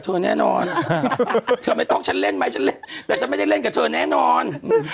อ๋อแต่ฉันก็ไม่เล่นกับเธอแน่นอน